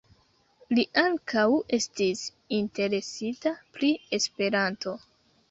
Li ankaŭ estis interesita pri Esperanto.